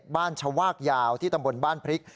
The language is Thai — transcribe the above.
ชวากยาวที่ตำบลบ้านพริก